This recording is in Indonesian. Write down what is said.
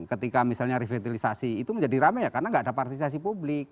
ketika misalnya revitalisasi itu menjadi rame ya karena nggak ada partisipasi publik